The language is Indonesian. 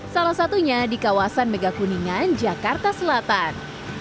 salah satunya di kawasan megakuningan jakarta selatan